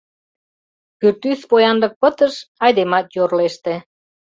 Пӱртӱс поянлык пытыш — айдемат йорлеште.